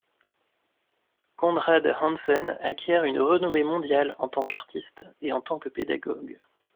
Conrad Hansen acquiert une renommée mondiale en tant qu'artiste et en tant que pédagogue.